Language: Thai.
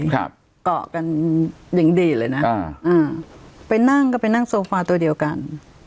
เกาะกันอย่างดีเลยนะอ่าอ่าไปนั่งก็ไปนั่งโซฟาตัวเดียวกัน